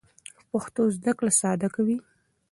پښتو زده کړه ساده کوي.